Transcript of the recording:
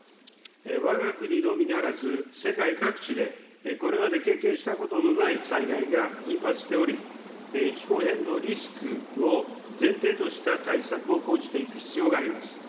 わが国のみならず、世界各地でこれまで経験したことのない災害が頻発しており、気候変動リスクを前提とした対策を講じていく必要があります。